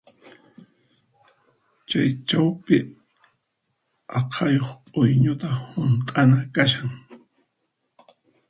Chay chawpi aqhayuq p'uñuta hunt'ana kashan.